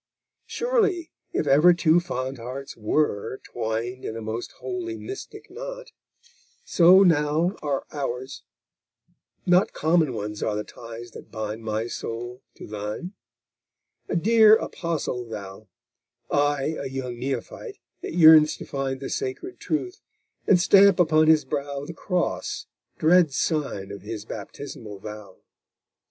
Surely, if ever two fond hearts were, twined In a most holy, mystic knot, so now Are ours; not common are the ties that bind My soul to thine; a dear Apostle thou, I a young Neophyte that yearns to find The sacred truth, and stamp upon his brow The Cross, dread sign of his baptismal vow!